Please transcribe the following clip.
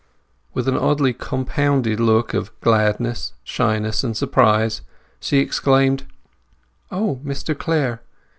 With an oddly compounded look of gladness, shyness, and surprise, she exclaimed—"O Mr Clare!